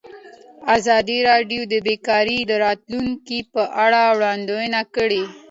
ازادي راډیو د بیکاري د راتلونکې په اړه وړاندوینې کړې.